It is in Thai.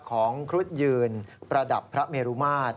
ครุฑยืนประดับพระเมรุมาตร